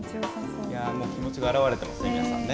もう気持ちが表れてますね、皆さんね。